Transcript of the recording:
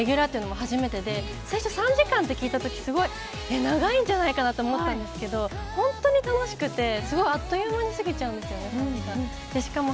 初めてで最初３時間ってきいたとき長いんじゃないかと思ったんですけど本当に楽しくて、すごくあっという間に過ぎちゃうのでしかも